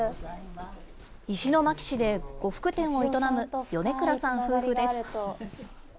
石巻市で呉服店を営む、米倉さん夫婦です。